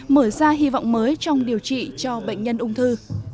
mở ra hy vọng mới trong điều trị cho bệnh nhân ung thư